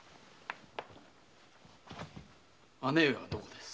姉上はどこです？